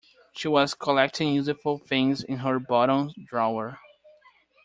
She was collecting useful things in her bottom drawer